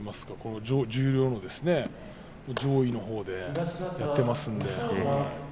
この十両の上位のほうでやっていますので。